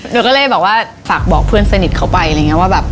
หนูก็เลยฝากบอกเพื่อนสนิทเค้าไปว่าแบบ